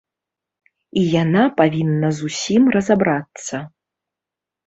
І яна павінна з усім разабрацца.